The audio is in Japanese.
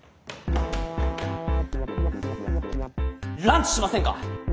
ランチしませんか？